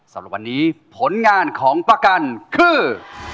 สำหรับวันนี้ผลงานของประกันคือ